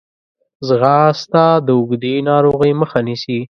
ځغاسته د اوږدې ناروغۍ مخه نیسي